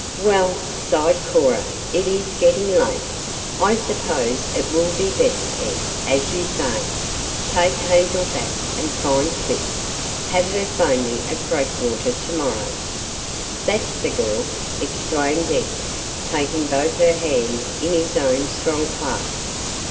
"Well," sighed Cora, "it is getting late. I suppose it will be best, Ed, as you say. Take Hazel back, and find Clip. Have her 'phone me at Breakwater, tomorrow." "That's the girl!" exclaimed Ed, taking both her hands in his own strong clasp.